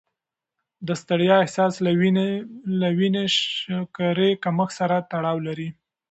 د ستړیا احساس له وینې د شکرې کمښت سره تړاو لري.